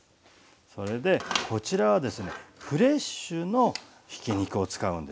それでこちらはですねフレッシュのひき肉を使うんですね